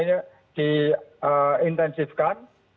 kita sudah diintensifkan